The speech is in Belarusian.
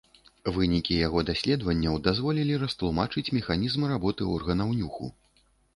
Вынікі яго даследаванняў дазволілі растлумачыць механізм работы органаў нюху.